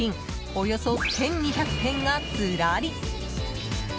およそ１２００点がずらり！